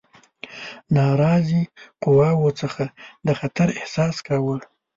ناراضي قواوو څخه د خطر احساس کاوه.